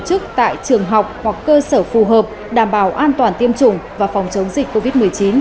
tổ chức tại trường học hoặc cơ sở phù hợp đảm bảo an toàn tiêm chủng và phòng chống dịch covid một mươi chín